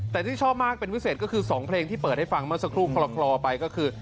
แต่ที่ชอบมากเป็นพิเศษก็คือ๒เพลงที่เปิดให้ฟังเมื่อสักครู่คลอไปก็คือ